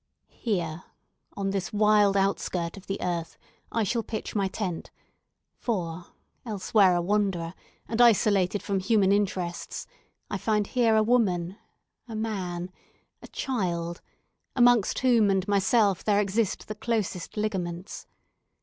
Here, on this wild outskirt of the earth, I shall pitch my tent; for, elsewhere a wanderer, and isolated from human interests, I find here a woman, a man, a child, amongst whom and myself there exist the closest ligaments.